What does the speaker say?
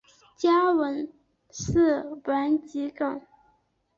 家纹是丸桔梗。